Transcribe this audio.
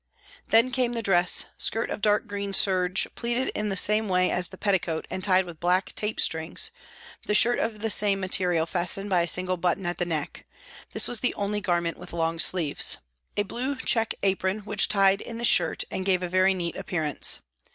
Then came the dress, skirt of dark green serge, pleated in same way as the petticoat and tied with black tape strings, the shirt of same material fastened by a single button at the neck ; this was the only garment with long sleeves. A blue check apron which tied in the shirt and gave a very neat appearance.